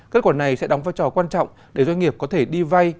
kết quả này sẽ đóng vai trò quan trọng để doanh nghiệp có thể đi vay